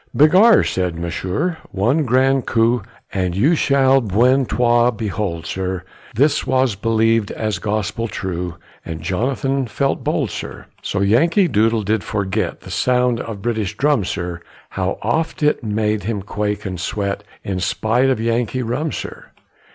Begar, said Monsieur, one grand coup You shall bientôt behold, sir; This was believ'd as gospel true, And Jonathan felt bold, sir. So Yankee Doodle did forget The sound of British drum, sir, How oft it made him quake and sweat, In spite of Yankee rum, sir.